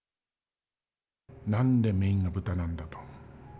なんでメインが豚なんだと。